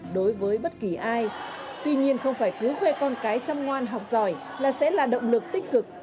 đối với bất kỳ ai tuy nhiên không phải cứ khoe con cái chăm ngoan học giỏi là sẽ là động lực tích cực